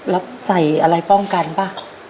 แล้วใส่อะไรป้องกันป่ะ